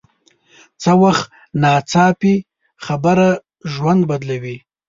څه وخت ناڅاپي خبره ژوند بدلوي